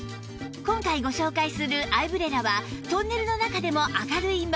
今回ご紹介するアイブレラはトンネルの中でも明るいまま